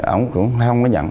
ông cũng không có nhận